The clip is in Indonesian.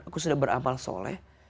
aku sudah beramal soleh